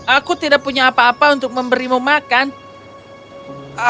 aku tidak punya apa apa untuk memberimu makan